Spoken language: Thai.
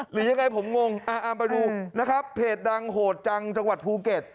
หรือยังไงผมงงไปดูนะครับเพจดังโหดจังจังหวัดภูเก็ต